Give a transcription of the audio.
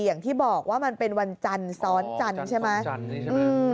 อย่างที่บอกว่ามันเป็นวันจันทร์ซ้อนจันทร์ใช่ไหมจันทร์